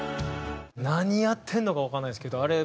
何やってるのかわからないですけどあれ